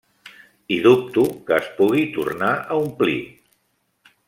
I dubto que es pugui tornar a omplir.